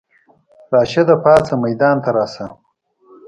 راشده پاڅه ميدان ته راشه!